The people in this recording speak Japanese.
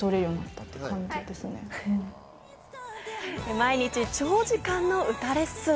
毎日、長時間の歌レッスン。